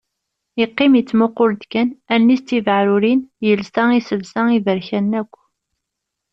Yeqqim yettmuqul-d kan. Allen-is d tibaɛrurin, yelsa iselsa iberkanen akk.